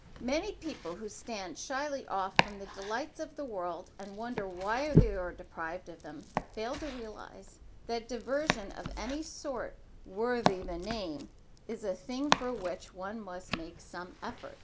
Many people who stand shyly off from the delights of the world and wonder why they are deprived of them, fail to realize that diversion of any sort worthy the name, is a thing for which one must make some effort.